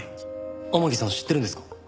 天樹さん知ってるんですか？